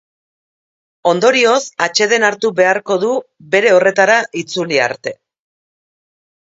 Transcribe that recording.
Ondorioz atseden hartu beharko du bere horretara itzuli arte.